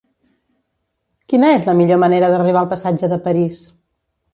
Quina és la millor manera d'arribar al passatge de París?